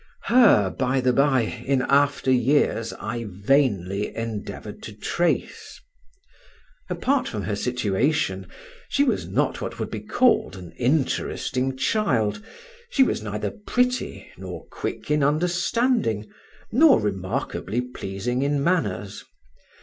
Her, by the bye, in after years I vainly endeavoured to trace. Apart from her situation, she was not what would be called an interesting child; she was neither pretty, nor quick in understanding, nor remarkably pleasing in manners.